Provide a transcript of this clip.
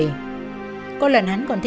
có lần hắn còn thấy nạn nhân bồng cửa